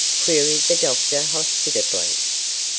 queried the Doctor, hospitably.